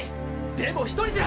でも１人じゃ！！